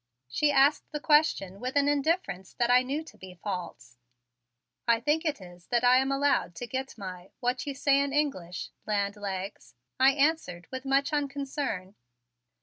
She asked the question with an indifference that I knew to be false. "I think it is that I am allowed to get my what you say in English? land legs," I answered with much unconcern.